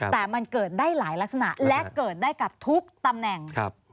แต่มันเกิดได้หลายลักษณะและเกิดได้กับทุกตำแหน่ง